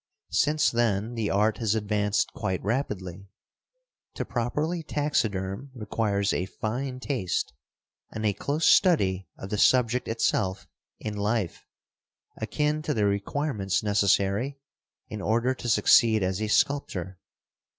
Since then the art has advanced quite rapidly. To properly taxiderm, requires a fine taste and a close study of the subject itself in life, akin to the requirements necessary in order to succeed as a sculptor.